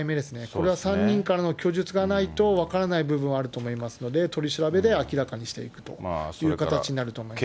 これは３人からの供述がないと分からない部分はあると思いますので、取り調べで明らかにしていくという形になると思いますね。